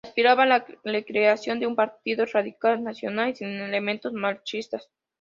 Aspiraba a la creación de un Partido Radical nacional y sin elementos marxistas.